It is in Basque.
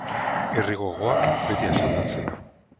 Irri gogoak beti asaldatzen nau.